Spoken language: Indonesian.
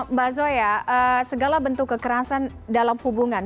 mbak zoya segala bentuk kekerasan dalam hubungan